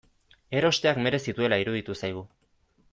Erosteak merezi duela iruditu zaigu.